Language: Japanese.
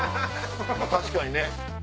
確かにね。